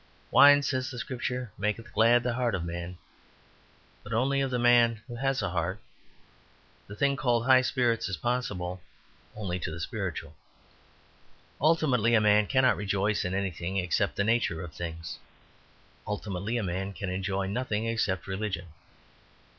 "Wine," says the Scripture, "maketh glad the heart of man," but only of the man who has a heart. The thing called high spirits is possible only to the spiritual. Ultimately a man cannot rejoice in anything except the nature of things. Ultimately a man can enjoy nothing except religion.